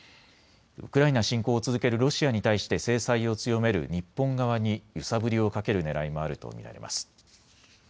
ウクライナ侵攻を続けるロシアに対して制裁を強める日本側に揺さぶりをかけるねらいもあると見られます。